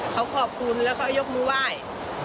เขาขอบคุณแล้วเขายกมือไหว้